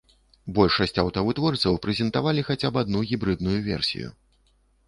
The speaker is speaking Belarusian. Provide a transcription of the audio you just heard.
Большасць аўтавытворцаў прэзентавалі хаця б адну гібрыдную версію.